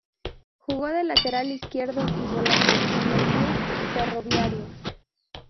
Jugó de lateral izquierdo y volante, en el Club Ferroviarios.